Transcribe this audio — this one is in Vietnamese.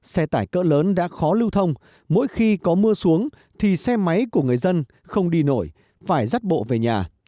xe tải cỡ lớn đã khó lưu thông mỗi khi có mưa xuống thì xe máy của người dân không đi nổi phải rắt bộ về nhà